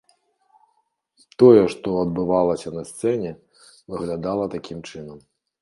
Тое, што адбывалася на сцэне, выглядала такім чынам.